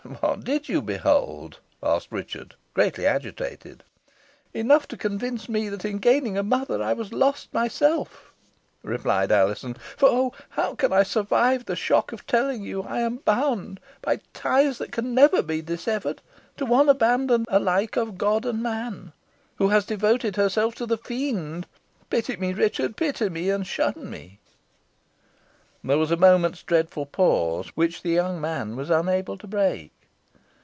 "What did you behold?" asked Richard, greatly agitated. "Enough to convince me, that in gaining a mother I was lost myself," replied Alizon; "for oh! how can I survive the shock of telling you I am bound, by ties that can never be dissevered, to one abandoned alike of God and man who has devoted herself to the Fiend! Pity me, Richard pity me, and shun me!" There was a moment's dreadful pause, which the young man was unable to break.